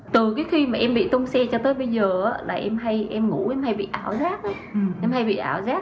từ khi em bị tung xe cho tới bây giờ em ngủ em hay bị ảo giác